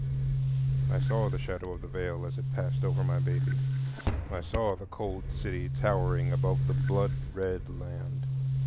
I saw the shadow of the Veil as it passed over my baby, I saw the cold city towering above the blood red land.